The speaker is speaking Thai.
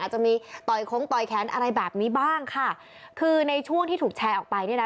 จะมีต่อยคงต่อยแขนอะไรแบบนี้บ้างค่ะคือในช่วงที่ถูกแชร์ออกไปเนี่ยนะ